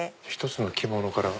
１つの着物から。